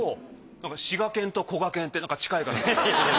滋賀県とこがけんって近い感じが。